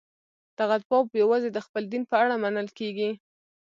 دغه ځواب یوازې د خپل دین په اړه منل کېږي.